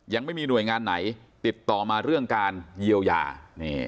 ยังไม่มีหน่วยงานไหนติดต่อมาเรื่องการเยียวยานี่